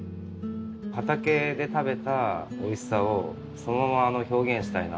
畑で食べた美味しさをそのまま表現したいなっていう。